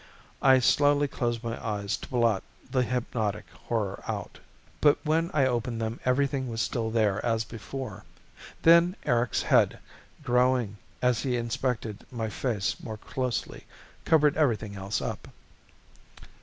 I slowly closed my eyes to blot the hypnotic horror out. But when I opened them everything was still there as before. Then Erics' head, growing as he inspected my face more closely, covered everything else up.